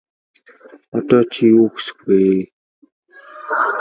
Одоо чи юу хүсэх вэ?